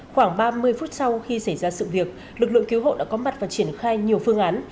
khoảng ba mươi phút sau khi xảy ra sự việc lực lượng cứu hộ đã có mặt và triển khai nhiều phương án